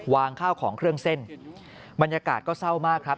ข้าวของเครื่องเส้นบรรยากาศก็เศร้ามากครับ